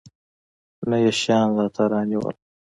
نه يې شيان راته رانيول.